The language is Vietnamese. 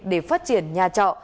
để phát triển nhà trọ